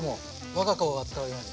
我が子を扱うように。